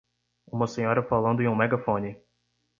Uma senhora falando em um megafone.